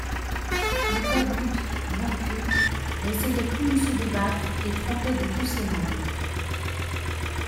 Le Cabuc, vaincu, n'essayait plus de se débattre et tremblait de tous ses membres.